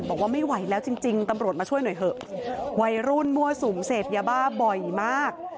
บอกว่าไม่ไหวแล้วจริงจริงตำรวจมาช่วยหน่อยเถอะวัยรุ่นมั่วสุมเสพยาบ้าบ่อยมาก